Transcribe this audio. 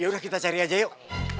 ya udah kita cari aja yuk